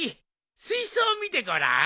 水槽を見てごらん。